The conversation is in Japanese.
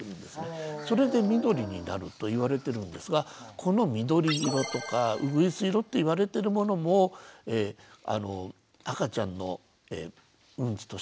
それで緑になると言われてるんですがこの緑色とかうぐいす色って言われてるものも赤ちゃんのウンチとしては正常なウンチなんです。